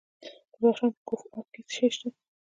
د بدخشان په کوف اب کې څه شی شته؟